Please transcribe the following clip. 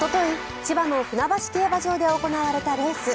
千葉の船橋競馬場で行われたレース。